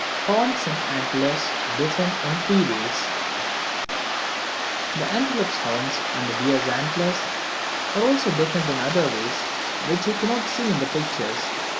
Horns and Antlers Different in Three Ways The antelope's horns and the deer's antlers are also different in other ways, which you cannot see in the pictures.